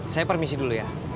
saya permisi dulu ya